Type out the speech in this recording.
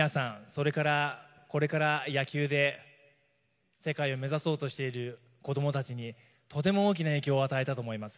それから、これから野球で世界を目指そうとしている子供たちに、とても大きな影響を与えたと思います。